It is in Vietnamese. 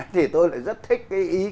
thì tôi lại rất thích cái ý